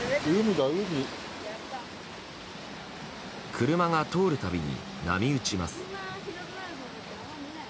車が通るたびに波打ちます。